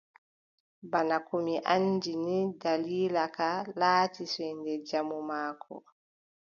Bana ko anndini, daliila ka, laati sewnde jamu maako.